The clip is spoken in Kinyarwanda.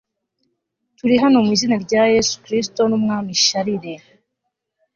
turi hano mu izina rya yesu kristo n'umwami charles